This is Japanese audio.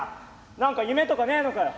何か夢とかねえのかよ」。